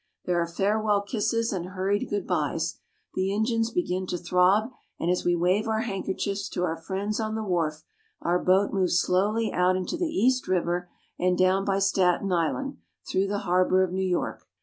There are farewell kisses and hurried good bys. The engines begin to throb, and as we wave our handkerchiefs to our friends on the wharf our boat moves slowly out into the East river and down by Staten Island through the harbor of New York.